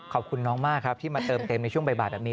ขอบคุณน้องมากครับที่มาเติมเต็มในช่วงบ่ายแบบนี้